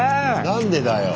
何でだよ。